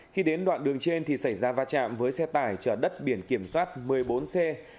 khi đến đoạn đường trên thì xảy ra va chạm với xe tải chở đất biển kiểm soát một mươi bốn c